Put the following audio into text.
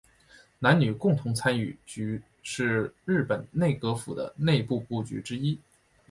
男女共同参与局是日本内阁府的内部部局之一。